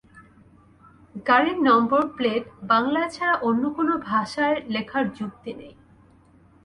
গাড়ির number plate বাংলায় ছাড়া অন্য কোনো ভাষায় লেখার যুক্তি নেই।